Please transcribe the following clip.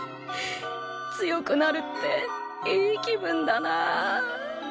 強くなるっていい気分だなあ。